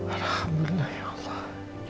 alhamdulillah ya allah